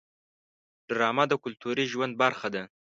ډرامه د کلتوري ژوند برخه ده